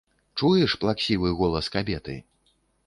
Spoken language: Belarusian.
Чуеш плаксівы голас кабеты?